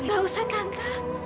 enggak usah tante